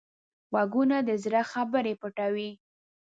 غوږونه د زړه خبرې پټوي